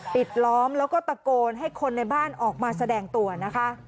ปิดล้อมแล้วก็ตะโกนให้คนในบ้านออกมาแสดงตัวนะคะ